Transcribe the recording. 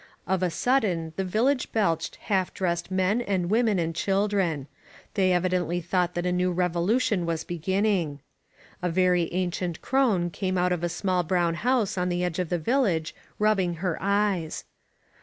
Of a sudden the village belched half dressed men and women and children. They evi dently thought that a new revolution was beginning. A very ancient crone came out of a small brown house on the edge of the village rubbing her eyes.